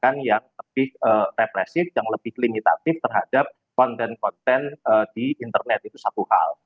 kebijakan yang lebih represif yang lebih limitatif terhadap konten konten di internet itu satu hal